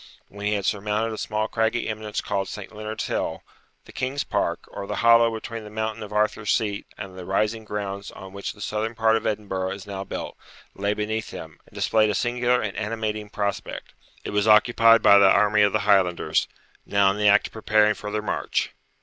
When he had surmounted a small craggy eminence called St. Leonard's Hill, the King's Park, or the hollow between the mountain of Arthur's Seat and the rising grounds on which the southern part of Edinburgh is now built, lay beneath him, and displayed a singular and animating prospect. It was occupied by the army of the Highlanders, now in the act of preparing for their march.